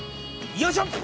よいしょ。